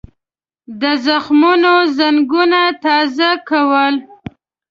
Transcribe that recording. د زخمونو زنګونه تازه کول.